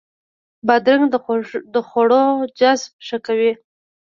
بادرنګ د خوړو جذب ښه کوي.